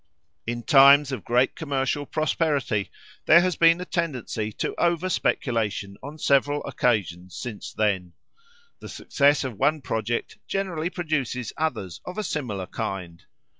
In times of great commercial prosperity there has been a tendency to over speculation on several occasions since then. The success of one project generally produces others of a similar kind.